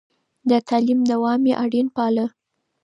د تعليم دوام يې اړين باله.